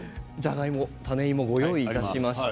種芋をご用意いたしました。